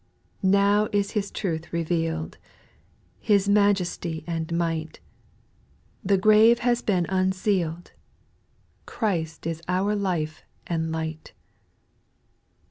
4. Now is His truth revealed, His majesty and might ; The grave has been unsealed, Christ is our life and light.